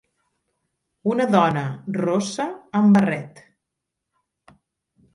Una dona rossa amb barret.